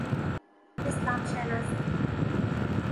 اسلام شناسی